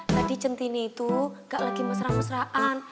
tadi centini itu gak lagi mesra mesraan